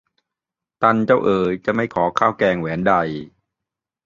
ตันเจ้าเอ๋ย จะไม่ขอข้าวแกงแหวนใด